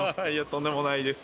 とんでもないです。